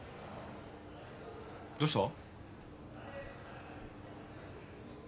どうした？